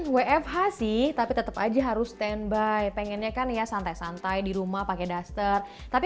wfh sih tapi tetap aja harus standby pengennya kan ya santai santai di rumah pakai duster tapi